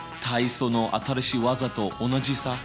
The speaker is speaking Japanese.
体操の新しい技と同じさ。